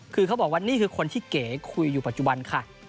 คือเขาบอกว่านี่คือคนที่เก๋คุยอยู่ปัจจุบันค่ะ